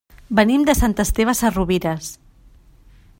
Venim de Sant Esteve Sesrovires.